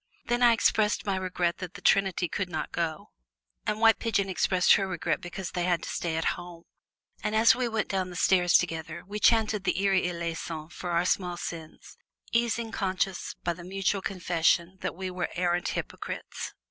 Then I expressed my regret that the trinity could not go, and White Pigeon expressed her regret because they had to stay at home. And as we went down the stairs together we chanted the Kyrie eleison for our small sins, easing conscience by the mutual confession that we were arrant hypocrites.